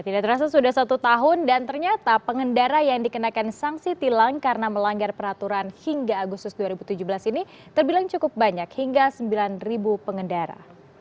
tidak terasa sudah satu tahun dan ternyata pengendara yang dikenakan sanksi tilang karena melanggar peraturan hingga agustus dua ribu tujuh belas ini terbilang cukup banyak hingga sembilan pengendara